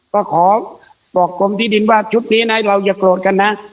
ก็ขอบอกกรมที่ดินว่าชุดนี้นะเราอย่าโกรธกันนะ